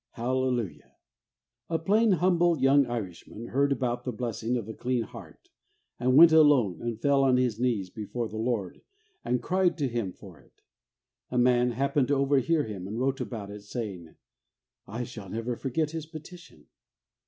Hallelujah ! A plain, humble young Irishman heard about the blessing of a clean heart, and went alone, and fell on his knees before the Lord, and cried to Him for it. A man happened to overhear him, and wrote about it, saying, ' I shall never forget his petition.